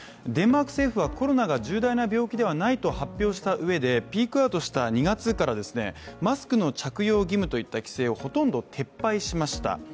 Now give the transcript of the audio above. デンマーク政府はコロナが重大な病気ではないと発表したうえでピークアウトした２月からマスクの着用義務といった規制をほとんど撤廃しました。